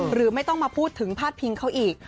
หรือไม่ต้องมาพูดถึงพาดพิงเขาอีก